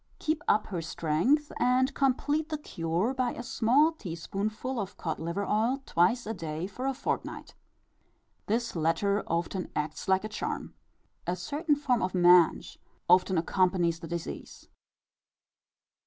Keep up her strength, and complete the cure by a small tea spoonful of cod liver oil twice a day for a fortnight. This latter often acts like a charm. A certain form of "mange" often accompanies the disease.